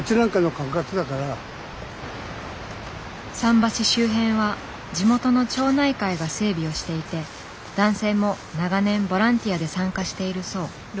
桟橋周辺は地元の町内会が整備をしていて男性も長年ボランティアで参加しているそう。